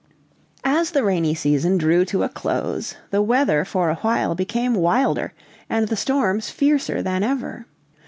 As the rainy season drew to a close, the weather for a while became wilder, and the storms fiercer than ever.